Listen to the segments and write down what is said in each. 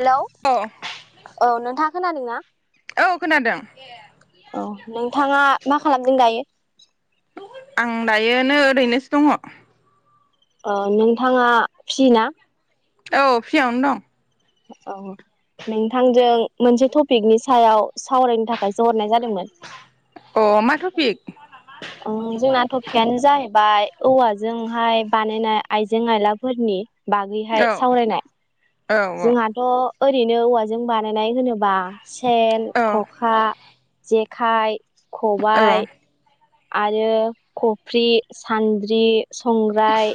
Hello औ औ नोंथाङा खोनादोंना? औ खोनादों औ नोंथाङा मा खालामदों दायो? [unintelligible] आं दायो नै ओरैनोसो दङ। ओ नोंथाङा फ्रि ना? औ फ्रियावनो दं। औ नोंथांजों मोनसे टपिकनि सायाव सावरायनो थाखाय सो हरनाय जादों अ मा टफिक? अ जोंना टपिकआनो जाहैबाय औवा जोंहाय बानायनाय आइजें आयलाफोरनि बागैहाय औ सावरायनाय। औ जोंहाथ' ओरैनो औवाजों बानायनाय होनोबा सेन, औ खखा, जेख खाय औ खबाय आरो खफ्रि, सान्द्रि, संग्राय।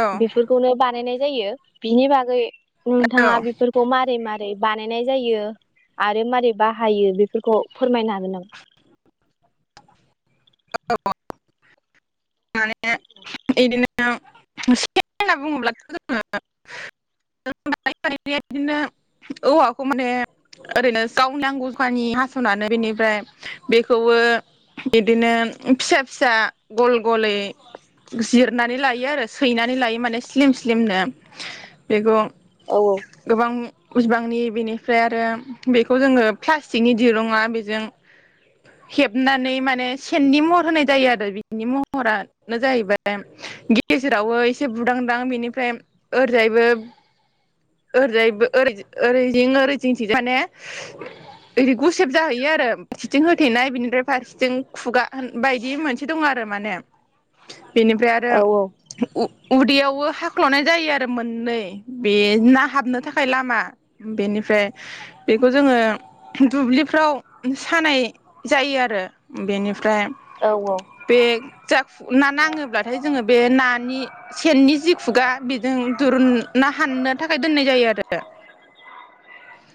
औ बेफोरखौनो बानायनाय जायो बिनि बागै नोंथाङा औ बेफोरखौ मारै मार रै बानायनाय जायो आरो मारै बाहायो बेफोरखौ फोरमायनो हागोन नामा? औ माने इदिनोे सेन होनना बुङोब्लाथ' जोङो [inaudible] बिदिनो औवाखौ माने ओरैनो [unintelligible] हास'नानै बेनिफ्राय बेखौबो इदिनो फिसा फिसा गल गलै जिरनानै लायो आरो सैनानै लायो माने स्लिम स्लिमनो बेखौ औ गोबां [unintelligible] बेनिफ्राय आरो बेखौ जोङो प्लास्टिकनि दिरुङा बेजों हेबनानै माने सेननि महर होनाय जायो आरो बिनि मह महरानो जाहैबाय गेजेरावबो एसे बुदांदां बेनिफ्राय ओरैजायबो ओरैजायबो ओरैजि-ओरै जिं-ओरै जिंंथिंजाय माने ओरै गुसेब जाहैयो आरो फारसेथिं होथेनाय बिनिफ्राय फारसेथिं खुगा बायदि मोनसे दं आरो माने। बेनिफ्राय आरो औ उ उदैयावबो हाख्ल'नाय जायो आरो मोननै बे ना हाबनो थाखाय लामा बेनिफ्राय बेखौ जोङो दुब्लिफ्राव सानाय जायो आरो बेनिफ्राय औ औ बे जा ना नाङोब्लाथाय जोङो बे नानि सेननि जि खुगा बेजों दुरुनना हाननो थाखाय दोननाय जायो आरो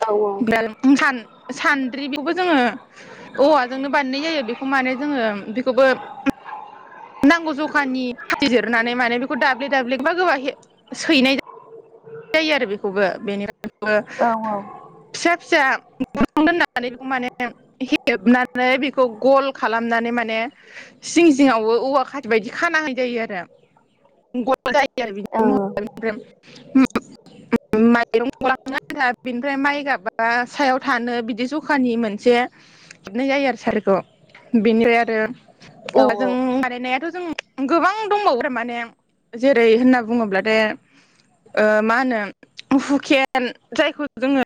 औ सान सानद्रि बेखौबो जोङो औवाजोंनो बानायनाय जायो बेखौ माने जोङो बेखौबो नांगौ जखानि खाथि जिरनानै माने बेखौ दाब्ले दाब्ले गोबा गोबा सैनाय जा जायो आरो बेखौबो बेनि बेखौबो औ फिसा फिसा [unintelligible] दोननानै बेखौ माने हेबनानै बेखौ गल खालामनानै माने जिं जिङावबो औवा खाथि बायदि खाना होनाय जायो आरो औ [unintelligible] [unintelligible] [unintelligible] बिनफ्राय माइ गाबा सायाव थानो बिदि जखानि मोनसे [unintelligible] आरो सारखौ बिनिफ्राय आरो [unintelligible] बानायनायाथ' जों गोबां दंबावो थारमाने जेरै होनना बुङोब्ला दे मा होनो हुकेन जायखौ जोङो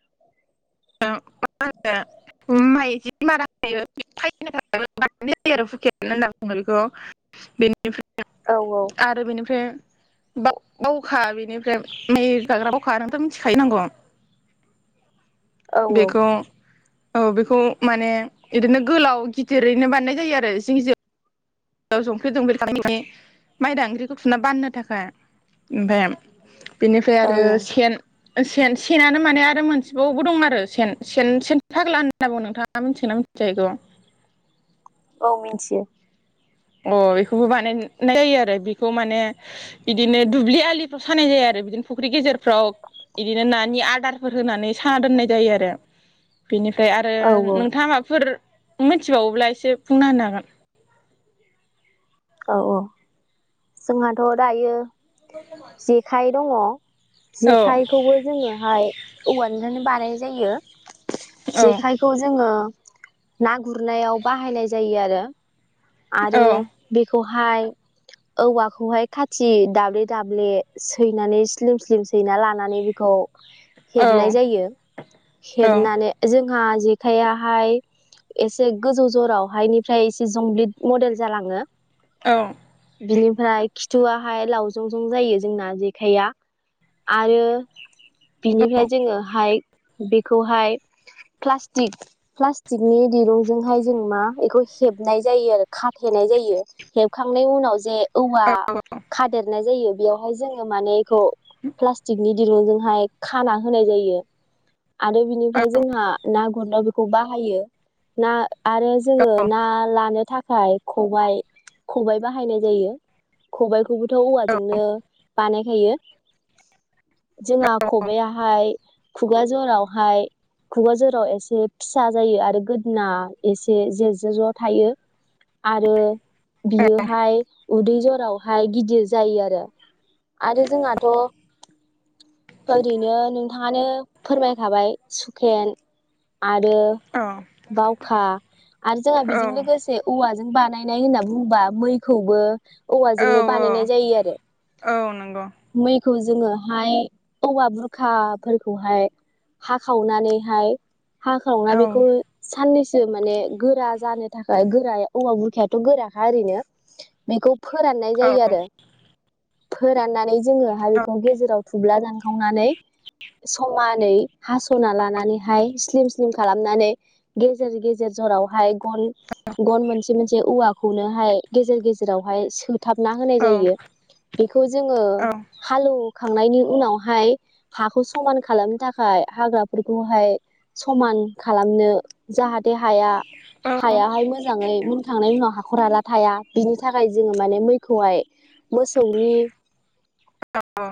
[unintelligible] बेखौ [unintelligible] आरो बेनिफ्राय बाव बावखा बेनिफ्राय मै गाग्रा बावखा नोंथ' मिथिखायो [unintelligible] बेखौ औ बेखौ माने इदिनो गोलाव गिदिरैनो बानायनाय जायो आरो जिं जिं [unintelligible] माइदांग्रिखौ थुना बाननो थाखाय ओमफ्राय बेनिफ्राय औ आरो सेन सेन सेनानो माने आरो मोनसेबावबो दं आरो सेन सेन सेन थाग्ला होनना बुङो नोंथाङा मिथिगोनना मिथिजा एखौ औ मिन्थियो अ बेखौबो बानायनाय जायो आरो बेखौ माने बिदिनो दुब्लि आलिफ्राव सानाय जायो आरो बिदिनो फुख्रि गेजेरफ्राव बिदिनो नानि आदारफोर होनानै साना दोननाय जायो आरो बेनिफ्राय आरो औ नोंथाङा माफोर मिथिबावोब्ला एसे बुंना होनो हागोन औ औ जोंहाथ' दायो जेखाइ दङ जेखाइखौबो जोङोहाय औवानिफ्रायनो बानायो जायो। हागोन जेखाइखौ जोङो ना गुरनायाव बाहायनाय जायो आरो औ आरो औ बेखौहाय औवाखौहाय खाथि दाब्ले दाब्ले सैनानै स्लिम स्लिम सैना लानानै बेखौ औ हेबनाय औ जायो हेबनानै जों जोंहा जेखाइयाहाय, एसे गोजौ जरावहायनिफ्राय एसे जमब्लिट मडेल जालाङो। औ। बिनिफ्राय खिथुआहाय लावजं जं जायो जोंना जेखाइया आरो। बिनिफ्राय जोङो हाइ बेखौहाय प्लास्टिक प्लास्टिकनि दिरुंजोंहाय जों मा बेखौ हेबनाय जायो आरो खाथेनाय जायो। हेबखांनायनि उनाव जे औवा खादेरनाय जायो। बेयावहाय जोङो माने। [unintelligible] प्लाष्टिकनि दिरुंजोंहाय खाना होनाय जायो। आरो बिनिफ्राय जोंहा [unintelligible] हरनायाव बेखौ बाहायो, ना आरो जोङो ना लानो थाखाय। खबाइ खबाय बहायनाय जायो खबायखौबोथ' औवाजोंनो [unintelligible] होयो जोंहा खबायाहाय खुगा जरावहाय खुगा जरावहाय एसे फिसा जायो आरो गोदोना एसे जे जे ज' थायो आरो। बियोहाय उदै जरावहाय गिदिर जायो आरो, आरो जोंहाथ' ओरैनो नोंथाङानो फोरमायखाबाय सुकेन आरो बाव खा आरो जोंहा औ बेजों लोगोसे औवा [unintelligible] बानायनाय [unintelligible] बुंबा मैखौबो औ औवाजोंनो बानायनाय जायो आरो। [unintelligible] औ नंगौ [unintelligible] जोङोहाय, औवा बुरखाफोरखौहाय हाखावनानैहाय। हाखावना औ बेखौ साननैसो [unintelligible] [unintelligible] माने गोरा जानो थाखाय गोरा औवा बुरखायाथ' गोरा। [unintelligible] बेखौ फोराननाय औ जायो आरो। फोराननानै जोङो [unintelligible] गेजेराव। थुब्ला दानखावनानै समानै हास'ना लानानैहाय स्लिम स्लिम खालामनानै गेजेर गेजेर जरावहाय गन गन मोनसे मोनसे औवा [unintelligible] गेजेर गेजेरावहाय सो थाबना होनाय जायो। बेखौ जोङो औ हालेव खांनायनि उनावहाय हाखौ समान खालामनो थाखाय हाग्राफोरखौहाय समान खालामनो जाहाथे हाया औ हायाहाय मोजाङै मो थांनाय [unintelligible] [unintelligible] थाया बिनि थाखाय जोङो माने मैखौहाय मोसौनि औ